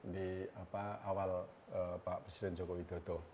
di awal pak presiden joko widodo